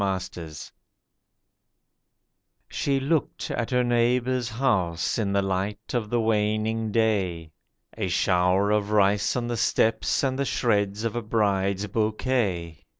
HUSKS SHE looked at her neighbour's house in the light of the waning day— A shower of rice on the steps, and the shreds of a bride's bouquet.